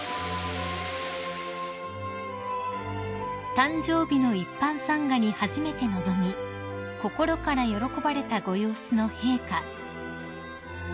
［誕生日の一般参賀に初めて臨み心から喜ばれたご様子の陛下］